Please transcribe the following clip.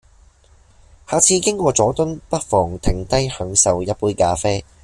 下次經過佐敦，不妨停低享受一杯咖啡